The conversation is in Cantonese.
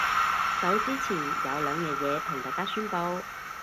走之前有兩樣嘢同大家宣佈